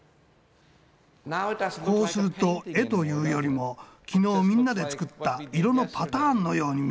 こうすると絵というよりも昨日みんなで作った色のパターンのように見えるでしょう？